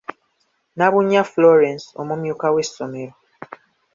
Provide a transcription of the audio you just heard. Nabunnya Florence omumyuka w'essomero.